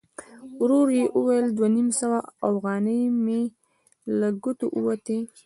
ورو يې وویل: دوه نيم سوه اوغانۍ مې له ګوتو ووتې!